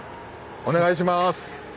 お願いします。